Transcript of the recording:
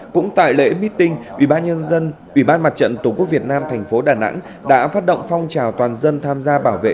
cũng tại lễ meeting ủy ban mặt trận tqvn tp đà nẵng đã phát động phong trào toàn dân tham gia bảo vệ